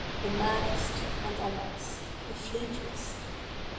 the maddest, and, alas ! the fleetest —! Ah